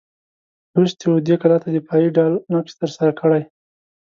لوستي وو دې کلا دفاعي ډال نقش ترسره کړی.